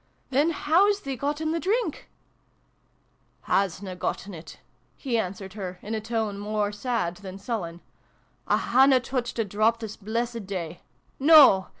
" Then how 's thee gotten th' drink ?"" Hasna gotten it," he answered her, in a tone more sad than sullen. " I hanna touched a drop this blessed day. No